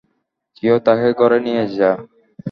কেউ তাকে ঘরে নিয়ে যা।